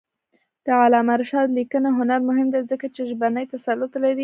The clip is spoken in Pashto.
د علامه رشاد لیکنی هنر مهم دی ځکه چې ژبنی تسلط لري.